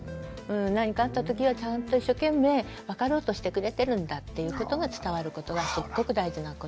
何かあったときはちゃんと一生懸命分かろうとしてくれてるんだっていうことが伝わることがすっごく大事なことで。